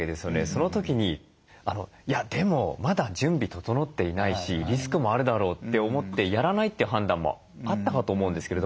その時に「いやでもまだ準備整っていないしリスクもあるだろう」って思ってやらないって判断もあったかと思うんですけれども。